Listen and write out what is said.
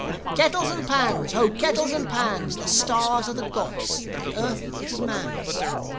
"Kettles and pans! Ho, kettles and pans! The stars are the gods' but the earth, it is man's!